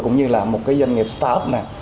cũng như là một cái doanh nghiệp start up nào